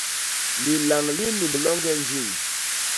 Lilañ li nnumb loñge njiñ.